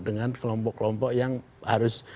dengan kelompok kelompok yang harus